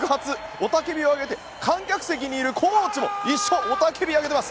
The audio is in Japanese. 雄たけびを上げて観客席にいるコーチも一緒に雄たけびを上げています。